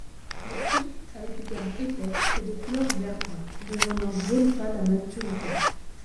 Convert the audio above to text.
Le fruit, à l'épiderme épais, est de couleur vert-brun, devenant jaune pâle à maturité.